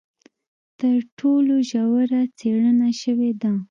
تر ټولو ژوره څېړنه شوې ده.